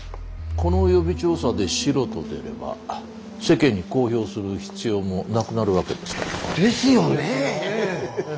この予備調査でシロと出れば世間に公表する必要もなくなるわけですから。ですよね。